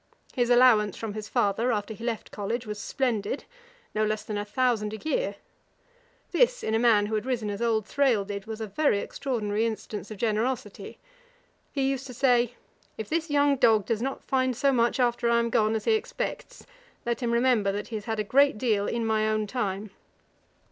His allowance from his father, after he left college, was splendid; no less than a thousand a year. This, in a man who had risen as old Thrale did, was a very extraordinary instance of generosity. He used to say, 'If this young dog does not find so much after I am gone as he expects, let him remember that he has had a great deal in my own time.'